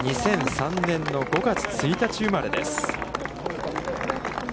２００３年の５月１日生まれです。